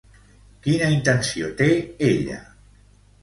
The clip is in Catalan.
Quina intenció té ella?